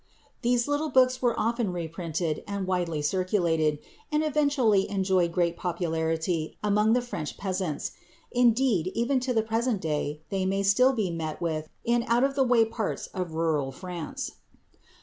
These little books were often reprinted and widely circulated, and eventually enjoyed great popularity among the French peasants. Indeed, even to the present day they may still be met with in out of the way parts of rural France.